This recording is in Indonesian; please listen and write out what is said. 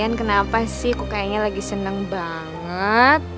kalian kenapa sih kok kayaknya lagi senang banget